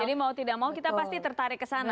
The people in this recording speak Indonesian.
mau tidak mau kita pasti tertarik ke sana